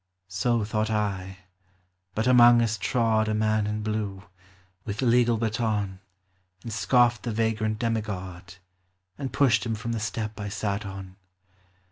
So thought I, — but among us trod A man in blue, with legal baton, And scoffed the vagrant demigod, And pushed him from the step I sat on.